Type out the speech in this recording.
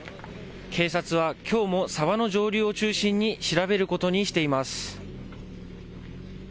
警察はきょうも沢の上流を中心に調べることにしています。